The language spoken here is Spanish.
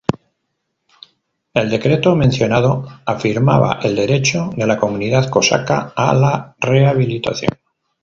El decreto mencionado afirmaba el derecho de la comunidad cosaca a la rehabilitación.